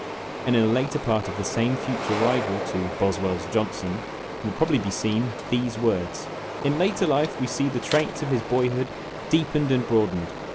And in a later part of the same future rival to " Boswell's Johnson" will probably be seen these words: "In later life we see the traits of his boyhood deepened and broadened.